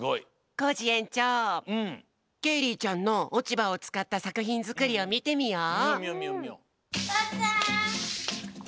コージえんちょうケイリーちゃんのおちばをつかったさくひんづくりをみてみよう。